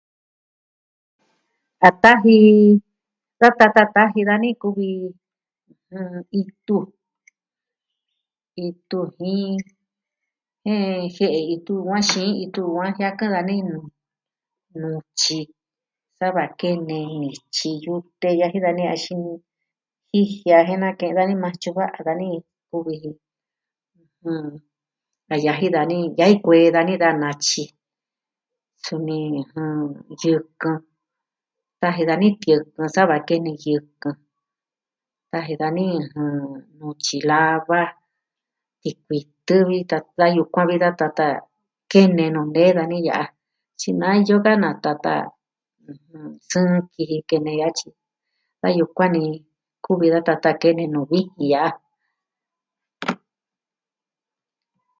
A taji tata ta taji dani kuvi mm... itu, itu jiin je jie'e itu vaxi itu va jiɨkɨn dani nu... nutyi sava kene nityi yute a yaji dani axin jijiaa je nake da maa tyukuan dani ku viji ɨjɨn da yaji dani ya ikuee dani da natyi suni ɨjɨn yɨkɨn. Taji dani tiɨkɨn sava kene yɨkɨn. Taji dani ɨjɨn nutyi lava, tikuitɨ vi tata yukuan vi da tata kene nuu nee dani ya'a. Tyi na iyo ka na tata ɨjɨn sɨɨn kiji kene yatyi. Da yukuan ni kuvi da tata kene nuu viji ya'a.